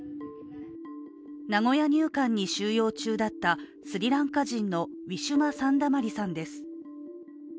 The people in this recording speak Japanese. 名古屋入管に収容中だったスリランカ人のウィシュマ・サンダマリさんです。